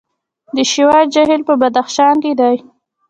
د شیوا جهیل په بدخشان کې دی